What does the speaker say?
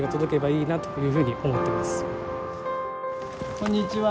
こんにちは。